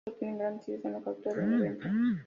Ambos obtienen grandes ideas en la captura de un evento.